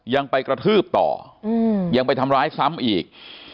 ยังไปกระทืบต่อยังไปทำร้ายซ้ำอีก